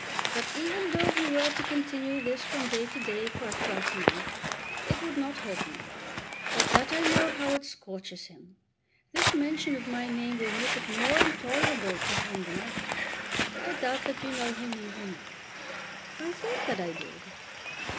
But even though he were to continue this from day to day for a twelvemonth it would not hurt me, but that I know how it scorches him. This mention of my name will make it more intolerable to him than ever. I doubt that you know him even yet." "I thought that I did."